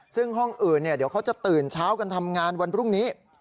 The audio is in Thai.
ซึ่งห้องอื่นเดี๋ยวเขาจะตื่นเช้ากันทำงานวันพรุ่งนี้